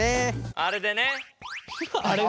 あれでね。